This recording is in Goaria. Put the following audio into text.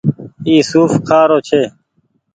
اي سوڦ کآ رو ڇي۔